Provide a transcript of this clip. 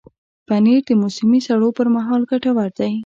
پنېر د موسمي سړو پر مهال ګټور دی.